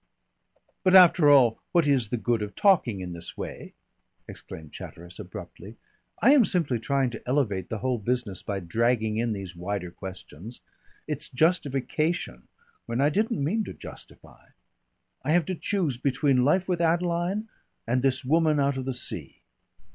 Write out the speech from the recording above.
"But, after all, what is the good of talking in this way?" exclaimed Chatteris abruptly. "I am simply trying to elevate the whole business by dragging in these wider questions. It's justification, when I didn't mean to justify. I have to choose between life with Adeline and this woman out of the sea."